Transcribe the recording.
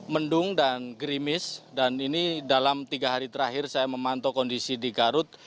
mendung dan gerimis dan ini dalam tiga hari terakhir saya memantau kondisi di garut